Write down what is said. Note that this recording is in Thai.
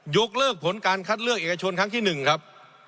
ยกเลิกผลการคัดเลือกเอกชนครั้งที่๑ครับ